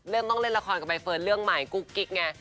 ต้องเล่นละครกับใบเฟิร์นเรื่องใหม่กุ๊กกิ๊กไง